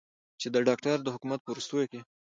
چې د داکتر د حکومت په وروستیو کې